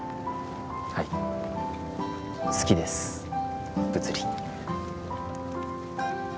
はい好きです物理